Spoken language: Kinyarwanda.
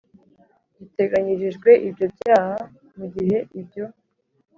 giteganyirijwe ibyo byaha mu gihe ibyo